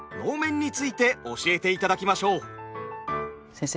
先生